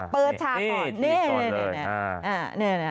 เปิดชาติก่อน